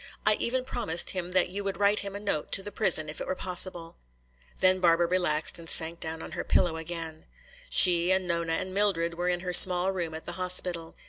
I even promised him that you would write him a note to the prison if it were possible." Then Barbara relaxed and sank down on her pillow again. She and Nona and Mildred were in her small room at the hospital.